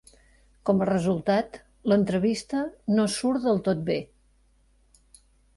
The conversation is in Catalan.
Com a resultat, l'entrevista no surt del tot bé.